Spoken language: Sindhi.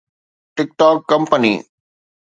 tick talk company